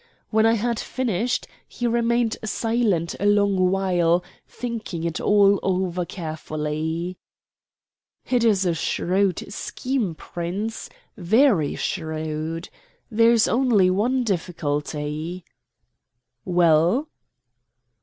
When I had finished, he remained silent a long while thinking it all over carefully. "It is a shrewd scheme, Prince, very shrewd. There is only one difficulty." "Well?"